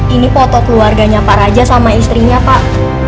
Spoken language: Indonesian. ini foto keluarganya pak raja sama istrinya pak